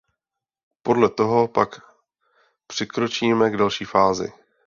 Podle toho pak přikročíme k další fázi.